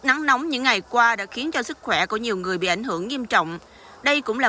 nắng nóng những ngày qua đã khiến cho sức khỏe của nhiều người bị ảnh hưởng nghiêm trọng đây cũng là